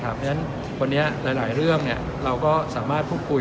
เพราะฉะนั้นวันนี้หลายเรื่องเราก็สามารถพูดคุย